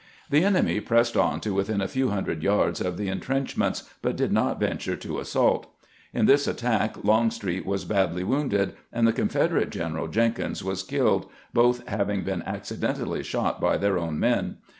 The enemy pressed on to within a few hundred yards of the intrenchments, but did not ven ture to assault. In this attack Longstreet was badly wounded, and the Confederate general Jenkins was killed, both having been aecidently shot by their own men.